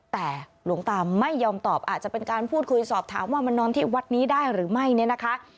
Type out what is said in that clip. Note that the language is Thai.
แต่หลวงตาไม่ยอมตอบอาจจะเป็นการพูดคุยสอบถามว่ามานอนที่วัดนี้ได้หรือไม่เนี่ยนะคะ